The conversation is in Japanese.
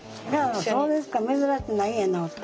そうですか珍しくないんやな。